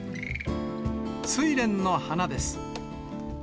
スイレンの花です。